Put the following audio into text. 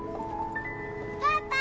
パパ！